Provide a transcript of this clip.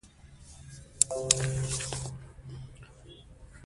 تعلیم د نجونو د فکر کولو وړتیا لوړوي.